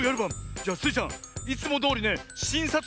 じゃあスイちゃんいつもどおりねしんさつ